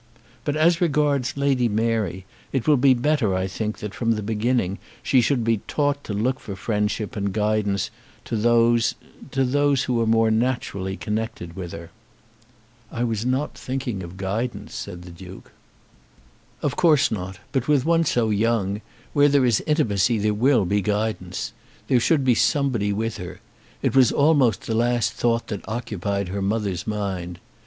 But as regards Lady Mary, it will be better, I think, that from the beginning she should be taught to look for friendship and guidance to those to those who are more naturally connected with her." "I was not thinking of any guidance," said the Duke. "Of course not. But with one so young, where there is intimacy there will be guidance. There should be somebody with her. It was almost the last thought that occupied her mother's mind.